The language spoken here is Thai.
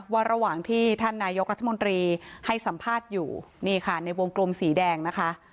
ระหว่างที่ท่านนายกรัฐมนตรีให้สัมภาษณ์อยู่นี่ค่ะในวงกลมสีแดงนะคะ